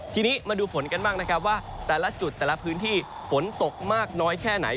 ทีนี้มาดูฝนกันบ้างนะครับว่าแต่ละจุดแต่ละพื้นที่ฝนตกมากน้อยแค่ไหน